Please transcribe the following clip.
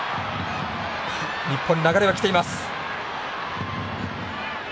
日本に流れはきています。